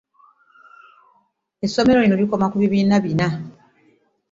Essomero lino likoma ku bibiina bina.